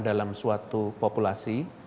dalam suatu populasi